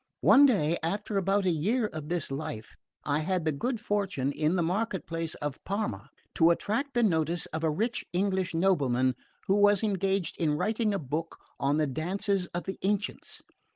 One day, after about a year of this life, I had the good fortune, in the market place of Parma, to attract the notice of a rich English nobleman who was engaged in writing a book on the dances of the ancients.